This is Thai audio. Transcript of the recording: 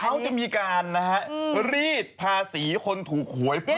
เขาจะมีการนะฮะรีดภาษีคนถูกหวย